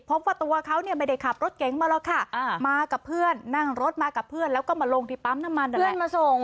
พบว่าตัวเขาเนี่ยไม่ได้ขับรถเก๋งมาหรอกค่ะมากับเพื่อนนั่งรถมากับเพื่อนแล้วก็มาลงที่ปั๊มน้ำมันเพื่อนมาส่ง